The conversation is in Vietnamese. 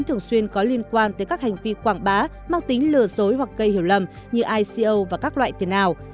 thường xuyên có liên quan tới các hành vi quảng bá mang tính lừa dối hoặc gây hiểu lầm như ico và các loại tiền ảo